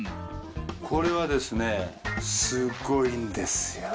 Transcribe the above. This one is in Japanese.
これはですね、すごいんですよ。